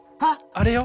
あれよ！